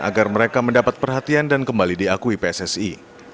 agar mereka mendapat perhatian dan kembali diakui pssi